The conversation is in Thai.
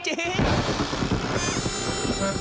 เต้นกันไม่พอ